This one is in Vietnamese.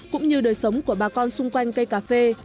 cũng như đời sống của bà con xung quanh cây cà phê